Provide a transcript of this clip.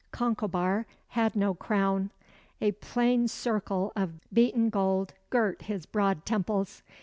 Concobar had no crown. A plain circle of beaten gold girt his broad temples.